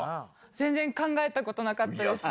全然考えたことなかったです